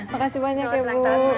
makasih banyak ya bu